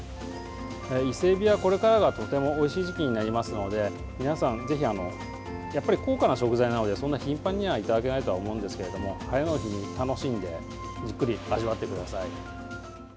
伊勢えびは、これからがとてもおいしい時期になりますので皆さん、ぜひやっぱり高価な食材なのでそんな頻繁にはいただけないとは思うんですけれども晴れの日に楽しんでじっくり味わってください。